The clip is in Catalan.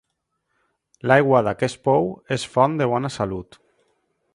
L'aigua d'aquest pou és font de bona salut.